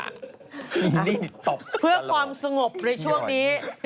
นี่ตบเพื่อความสงบในช่วงนี้